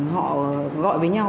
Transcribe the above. họ gọi với nhau